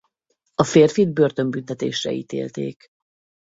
A férfit börtönbüntetésre ítélték.